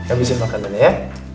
abisin makannya ya